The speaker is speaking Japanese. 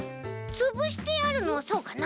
つぶしてあるのそうかな？